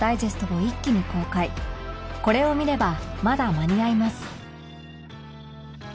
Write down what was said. これを見ればまだ間に合います